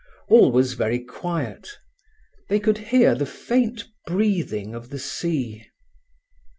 All was very quiet. They could hear the faint breathing of the sea.